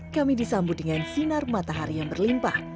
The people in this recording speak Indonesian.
kami disambut dengan sinar matahari yang berlimpah